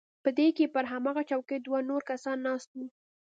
په دې کښې پر هماغه چوکۍ دوه نور کسان ناست وو.